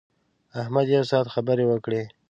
احمد یو ساعت خبرې وکړې.